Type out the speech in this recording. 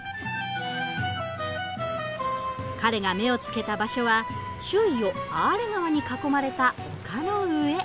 彼が目をつけた場所は周囲をアーレ川に囲まれた丘の上。